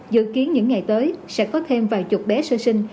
dự kiến những ngày tới sẽ có thêm vài chục bé sơ sinh